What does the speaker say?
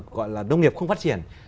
gọi là đông nghiệp không phát triển